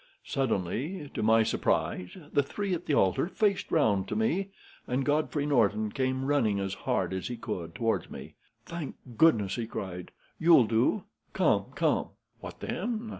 Suddenly, to my surprise, the three at the altar faced round to me, and Godfrey Norton came running as hard as he could toward me. "'Thank God!' he cried. 'You'll do. Come! Come!' "'What then?'